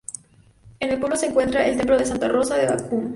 En el pueblo se encuentra el Templo de Santa Rosa de Bácum.